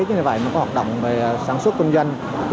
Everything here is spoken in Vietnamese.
cho nên hoạt động sản xuất kinh doanh